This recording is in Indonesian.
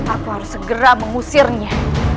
aku harus segera mengusirnya